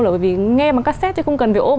bởi vì nghe bằng cassette thì không cần phải ôm